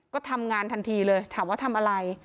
ก็ทำงานทันทีเลยถามว่าทำอะไร